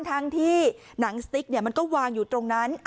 ทั้งที่หนังสติ๊กมันก็วางอยู่ตรงนั้น